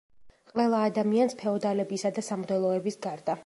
ყველა ადამიანს ფეოდალებისა და სამღვდელოების გარდა.